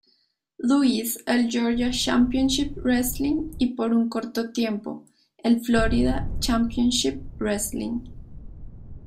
Louis, el Georgia Championship Wrestling y por un corto tiempo, el Florida Championship Wrestling.